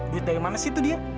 dari mana sih itu dia